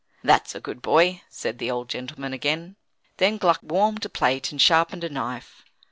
"That's a good boy," said the old gentleman again. Then Gluck warmed a plate and sharpened a knife.